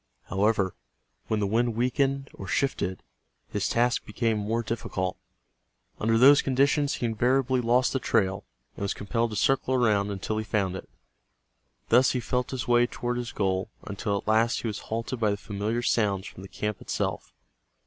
However, when the wind weakened, or shifted, his task became more difficult. Under those conditions he invariably lost the trail, and was compelled to circle about until he found it. Thus he felt his way toward his goal, until at last he was halted by the familiar sounds from the camp itself.